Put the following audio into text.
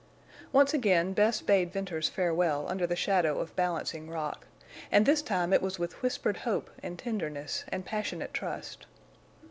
Once again Bess bade Venters farewell under the shadow of Balancing Rock, and this time it was with whispered hope and tenderness and passionate trust.